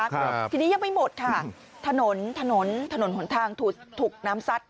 อันนี้ยังไม่หมดค่ะถนนถนนถนนหนทางถูกน้ำซัด